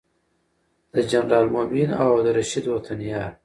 د جنرال مؤمن او عبدالرشید وطن یار